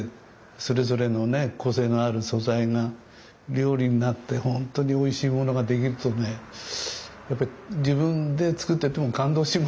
それぞれの個性のある素材が料理になってほんとにおいしいものが出来るとねやっぱり自分で作ってても感動します